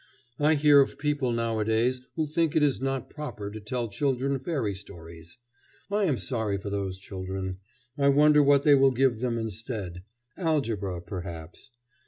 I hear of people nowadays who think it is not proper to tell children fairy stories. I am sorry for those children. I wonder what they will give them instead. Algebra, perhaps.